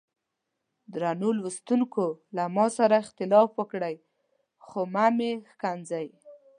درنو لوستونکو له ما سره اختلاف وکړئ خو مه مې ښکنځئ.